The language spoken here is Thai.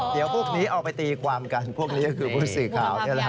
เดี๋ยวพวกนี้เอาไปตีความกันพวกนี้ก็คือพุศึข่าว